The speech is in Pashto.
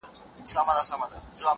کاينات راڅه هېريږي ورځ تېرېږي”